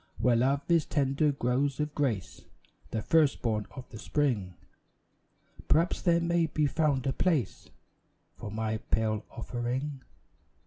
Where love is tending growths of grace, The first born of the Spring, Perhaps there may be found a place For my pale offering.